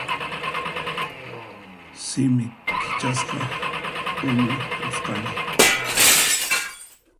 Simi kichasqa puñurusqani.